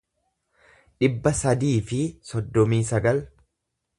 dhibba sadii fi soddomii sagal